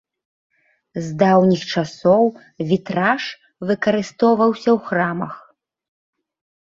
З даўніх часоў вітраж выкарыстоўваўся ў храмах.